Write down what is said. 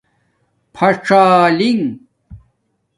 پحھاڅلنݣہ